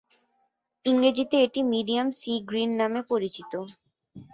ইংরেজিতে এটি medium sea green নামে পরিচিত।